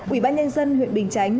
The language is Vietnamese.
ủy ban nhân dân huyện bình chánh